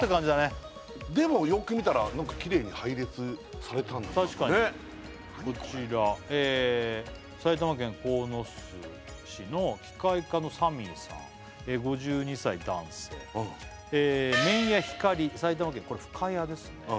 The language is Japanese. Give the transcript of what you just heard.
そうそうでもよく見たらきれいに配列された確かにこちら埼玉県鴻巣市の機械科のサミーさん５２歳男性麺屋光埼玉県これ深谷ですね